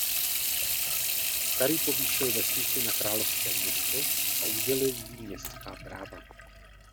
Starý povýšil vesnici na královské město a udělil jí městská práva.